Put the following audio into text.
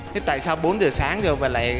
thế tại sao bốn h sáng rồi